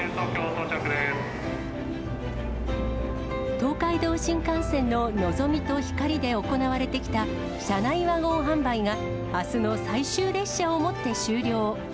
東海道新幹線ののぞみとひかりで行われてきた車内ワゴン販売が、あすの最終列車をもって終了。